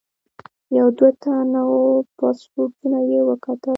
یو دوه تنو پاسپورټونه یې وکتل.